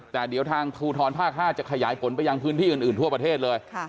แต่เดี๋ยวทางภูทรภาค๕จะขยายผลไปยังพื้นที่อื่นทั่วประเทศเลย